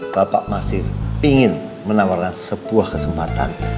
bapak masih ingin menawarkan sebuah kesempatan